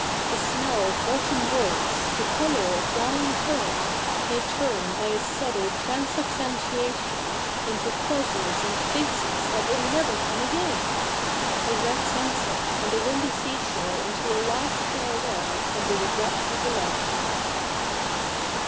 The smell of autumn woods, the colour of dying fern, may turn by a subtle transubstantiation into pleasures and faces that will never come again — a red sunset and a windy sea shore into a last farewell and the regret of a lifetime.'